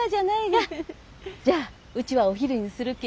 じゃうちはお昼にするき